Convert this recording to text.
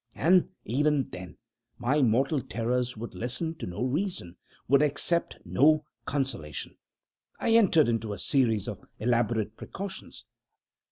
And, even then, my mortal terrors would listen to no reason would accept no consolation. I entered into a series of elaborate precautions.